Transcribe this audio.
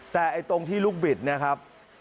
แต่ตรงที่ลูกบิดนะครับ